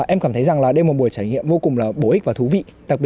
em cảm thấy rằng đây là một buổi trải nghiệm vô cùng bổ ích và thú vị